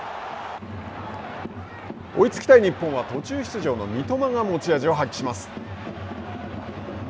追いつきたい日本は、途中出場の三笘が持ち味を発揮します。